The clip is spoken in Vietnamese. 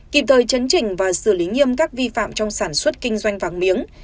kịp thời chấn trình và xử lý nghiêm các vi phạm trong sản xuất kinh doanh vàng miếng